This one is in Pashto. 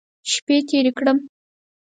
شپې تېرې کړم.